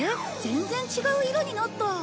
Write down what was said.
全然違う色になった。